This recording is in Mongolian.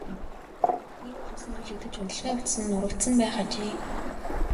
Хиймэл үс нь түлэгдэж унтлагын хувцас нь урагдсан байх ажээ.